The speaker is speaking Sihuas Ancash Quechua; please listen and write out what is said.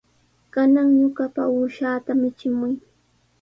Kanan ñuqapa uushaata michimuy.